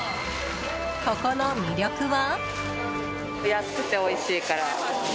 ここの魅力は？